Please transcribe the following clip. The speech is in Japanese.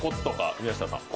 宮下さん。